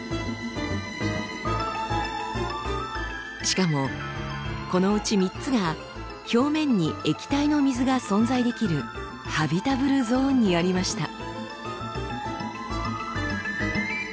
しかもこのうち３つが表面に液体の水が存在できるハビタブルゾーンにありました。